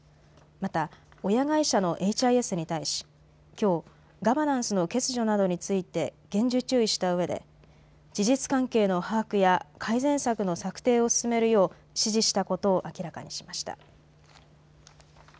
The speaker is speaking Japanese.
また親会社のエイチ・アイ・エスに対しきょうガバナンスの欠如などについて厳重注意したうえで事実関係の把握や改善策の策定を進めるよう指示したことを明らかにしました。